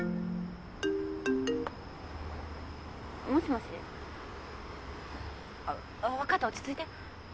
もしもしあ分かった落ち着いて。